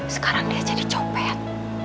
sekarang dia jadi copet